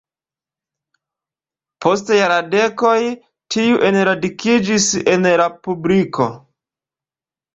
Post jardekoj tiu enradikiĝis en la publiko.